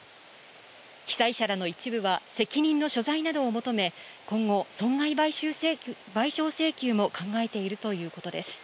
被災者らの一部は責任の所在などを求め、今後、損害賠償請求も考えているということです。